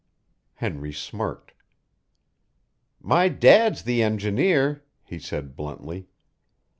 Henry smirked. "My dad's the engineer," he said bluntly.